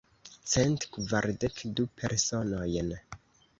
Cent kvardek du personojn.